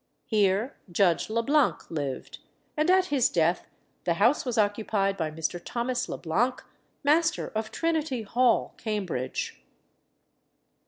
Here Judge Le Blanc lived, and at his death the house was occupied by Mr. Thomas Le Blanc, Master of Trinity Hall, Cambridge.